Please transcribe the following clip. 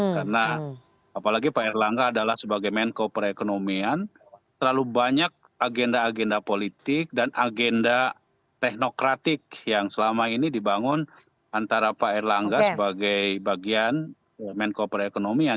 karena apalagi pak erlangga adalah sebagai menko perekonomian terlalu banyak agenda agenda politik dan agenda teknokratik yang selama ini dibangun antara pak erlangga sebagai bagian menko perekonomian